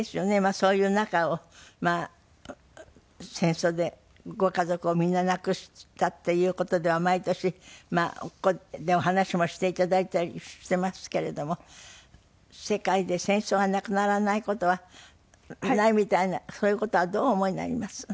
そういう中を戦争でご家族をみんな亡くしたっていう事では毎年ここでお話もしていただいたりしてますけれども世界で戦争がなくならない事はないみたいな。そういう事はどうお思いになります？